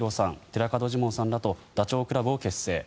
寺門ジモンさんらとダチョウ倶楽部を結成。